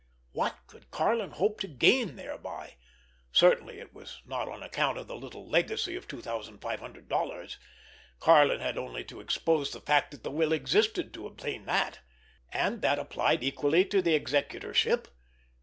What could Karlin hope to gain thereby? Certainly it was not on account of the little legacy of two thousand five hundred dollars—Karlin had only to expose the fact that the will existed to obtain that. And that applied equally to the executorship.